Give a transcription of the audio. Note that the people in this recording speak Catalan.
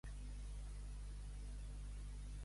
Que no sigui res això! i duia l'ull a la mà.